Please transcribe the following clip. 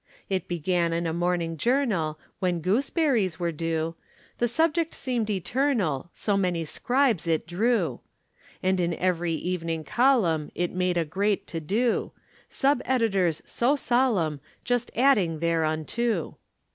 It began in a morning journal When gooseberries were due, The subject seemed eternal, So many scribes it drew. And in every evening column It made a great to do, Sub editors so solemn Just adding thereunto.